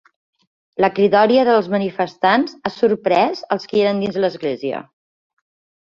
La cridòria dels manifestants ha sorprès els qui eren dins l’església.